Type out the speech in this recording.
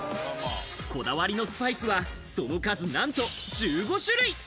こだわりのスパイスはその数なんと１５種類。